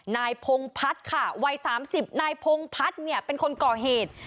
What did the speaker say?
นายพงภัณฑ์ค่ะวัย๓๐ปีนายพงภัณฑ์เป็นคนก่อเหตุ